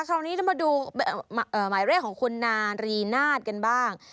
คราวนี้เรามาดูหมายเลขของคุณนารีนาศกันบ้าง